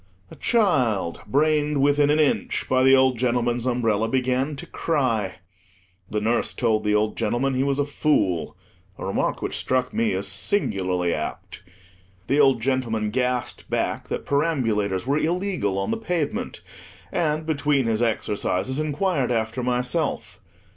A child, brained within an inch by the old gentleman's umbrella, began to cry. The nurse told the old gentleman he was a fool—a remark which struck me as singularly apt The old gentleman gasped back that perambulators were illegal on the pavement; and, between his exercises, inquired after myself.